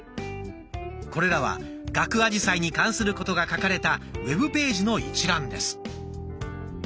これらは「ガクアジサイ」に関することが書かれたウェブページの一覧です。